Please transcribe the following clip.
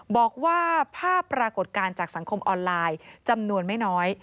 บอกว่าภาพปรากฏการณ์จากสังคมออนไลน์จำนวนไม่น้อย